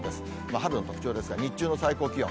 春の特徴ですが、日中の最高気温。